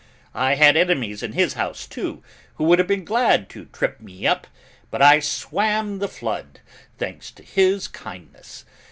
I had enemies in his house, too, who would have been glad to trip me up, but I swam the flood, thanks to his kindness.